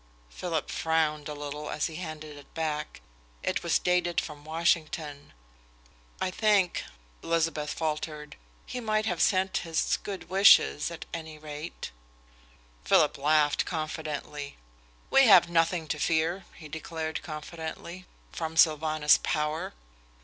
Philip frowned a little as he handed it back. It was dated from Washington. "I think," Elizabeth faltered, "he might have sent his good wishes, at any rate." Philip laughed confidently. "We have nothing to fear," he declared confidently, "from Sylvanus Power."